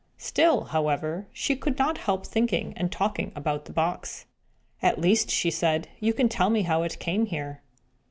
Still, however, she could not help thinking and talking about the box. "At least," said she, "you can tell me how it came here."